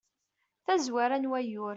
tazwara n wayyur